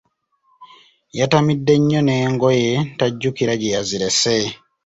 Yatamidde nnyo n’engoye tajjukira gye yazirese.